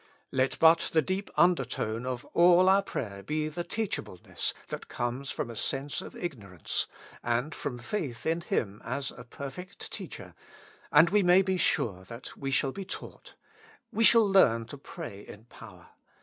Let but the deep undertone of all our prayer be the teachableness that comes from a sense of ignorance, and from faith in Him as a perfect teacher, and we may be sure we shall be taught, we shall learn to pray in power.